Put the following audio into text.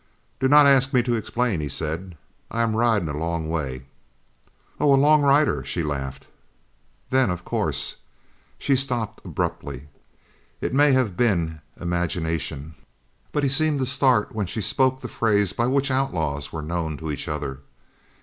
"Do not ask me to explain," he said, "I am riding a long way." "Oh, a 'long rider'!" she laughed, "then of course " She stopped abruptly. It may have been imagination, but he seemed to start when she spoke the phrase by which outlaws were known to each other.